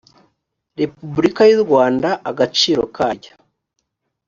repubulika y u rwanda agaciro karyo